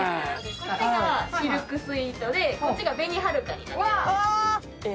こっちがシルクスイートでこっちが紅はるか。